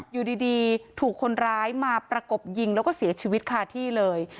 อยู่ดีถูกคนร้ายมาประกบยิงแล้วก็เสียชีวิตคาที่เลย